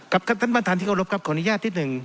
ท่านประธานที่เคารพครับขออนุญาตนิดหนึ่ง